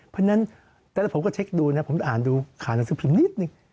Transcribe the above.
เพราะฉะนั้นแต่ละผมก็เช็คดูนะผมอ่านดูข่าวหนังสือพิมพ์นิดนึง